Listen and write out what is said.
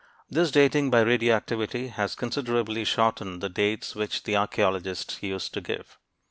This dating by radioactivity has considerably shortened the dates which the archeologists used to give.